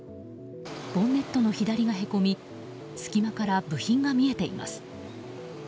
ボンネットの左がへこみ隙間から部品が見えています。